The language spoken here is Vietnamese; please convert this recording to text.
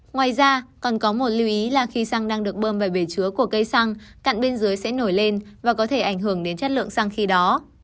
ngoài ra còn có một lưu ý là khi xăng đang được bơm về bể chứa của cây xăng cạn bên dưới sẽ nổi lên và có thể ảnh hưởng đến chất lượng xăng khi đó